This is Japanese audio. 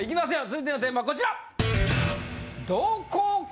続いてのテーマはこちら！